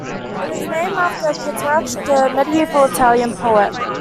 It is named after Petrarch, the medieval Italian poet.